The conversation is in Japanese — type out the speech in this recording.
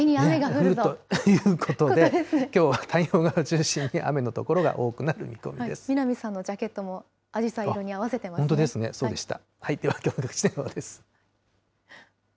降るということで、きょうは太平洋側を中心に雨の所が多くな南さんのジャケットも、あじ本当ですね、そうでした。